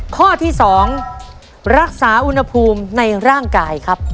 ข้อที่๒รักษาอุณหภูมิในร่างกายครับ